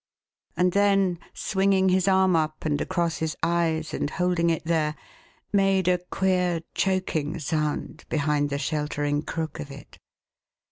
And then, swinging his arm up and across his eyes and holding it there, made a queer choking sound behind the sheltering crook of it.